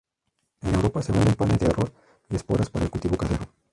En Europa se venden panes de arroz y esporas para el cultivo casero.